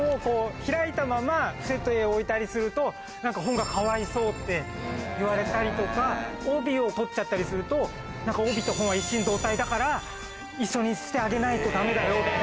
開いたまま伏せて置いたりすると、なんか本がかわいそうって言われたりとか、帯を取っちゃったりすると、なんか帯と本は一心同体だから、一緒にしてあげないとだめだよって。